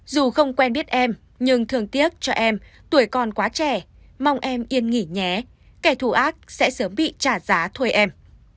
dù không quen biết em nhưng thường tiếc cho em tuổi còn quá trẻ mong em yên nghỉ nhé kẻ thù ác sẽ sớm bị trả giá thuê em